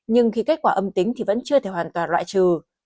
nhưng khi kết quả âm tính thì vẫn chưa thể hoàn toàn loại trừ